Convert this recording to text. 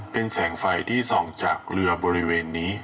เป็นแสงไฟที่ส่องจากเรือบริเวณนี้